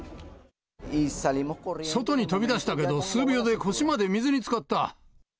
外に飛び出したけど、数秒で腰まで水につかった。